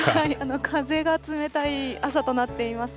風が冷たい朝となっています。